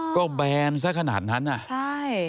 ก็แบนซะขนาดนั้นอ่ะใช่